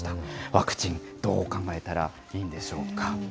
ワクチン、どう考えたらいいんでしょうか。